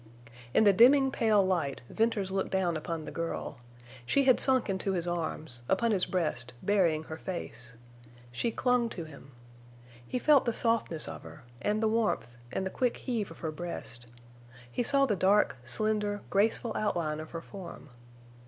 In the dimming pale light Venters looked down upon the girl. She had sunk into his arms, upon his breast, burying her face. She clung to him. He felt the softness of her, and the warmth, and the quick heave of her breast. He saw the dark, slender, graceful outline of her form.